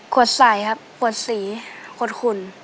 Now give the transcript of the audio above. ขวดใสครับขวดสีขวดขุ่น